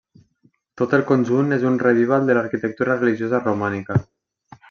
Tot el conjunt és un revival de l'arquitectura religiosa romànica.